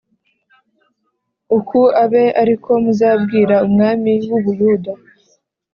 Uku abe ari ko muzabwira umwami w u Buyuda